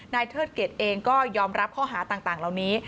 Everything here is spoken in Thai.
เทิดเกรดเองก็ยอมรับข้อหาต่างเหล่านี้